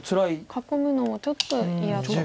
囲むのもちょっと嫌と。